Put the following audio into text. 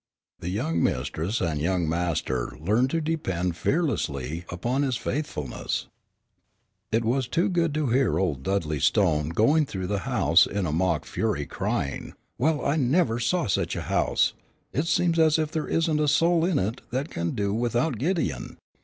The young mistress and young master learned to depend fearlessly upon his faithfulness. It was good to hear old Dudley Stone going through the house in a mock fury, crying, "Well, I never saw such a house; it seems as if there isn't a soul in it that can do without Gideon.